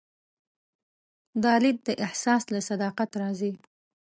دا لید د احساس له صداقت راځي.